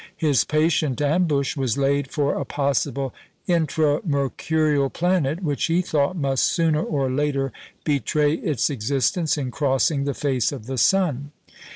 His patient ambush was laid for a possible intramercurial planet, which, he thought, must sooner or later betray its existence in crossing the face of the sun.